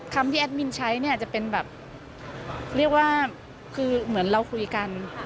คำที่แอดมินใช้เนี่ยจะเป็นแบบเรียกว่าคือเหมือนเราคุยกัน